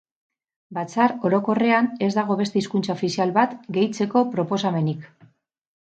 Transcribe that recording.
Batzar Orokorrean ez dago beste hizkuntza ofizial bat gehitzeko proposamenik.